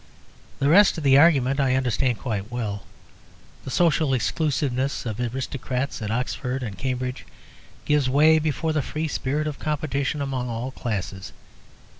The rest of the argument I understand quite well. The social exclusiveness of aristocrats at Oxford and Cambridge gives way before the free spirit of competition amongst all classes.